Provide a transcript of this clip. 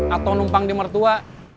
atau numpang di mertua